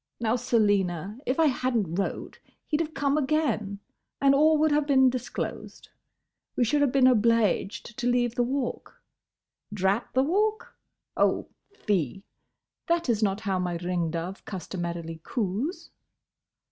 —Now, Selina, if I had n't wrote he 'd have come again, and all would have been disclosed. We should have been obleeged to leave the Walk.—Drat the Walk?—Oh! fie! That is not how my ring dove customarily coos.